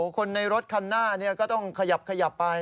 คนในรถคันหน้าก็ต้องขยับไป